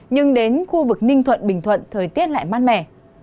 nhưng đến khu vực ninh thuận bình thuận thời tiết lại mát mẻ